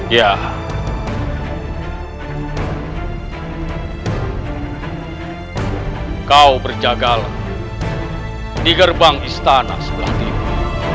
ya kau berjagalah di gerbang istana sebelah kiri